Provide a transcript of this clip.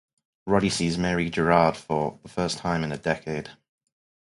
Roddy sees Mary Gerrard for the first time in a decade.